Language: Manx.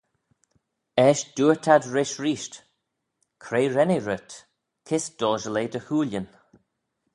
Eisht dooyrt ad rish reesht, Cre ren eh rhyt? kys doshil eh dty hooillyn?